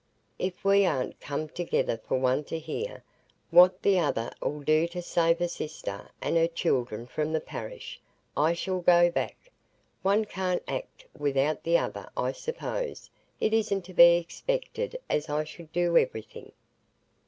If we aren't come together for one to hear what the other 'ull do to save a sister and her children from the parish, I shall go back. One can't act without the other, I suppose; it isn't to be expected as I should do everything."